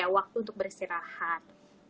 waktu untuk beristirahat